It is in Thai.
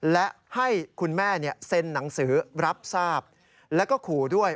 และให้คุณแม่เซ็นหนังสือรับทราบแล้วก็ขู่ด้วย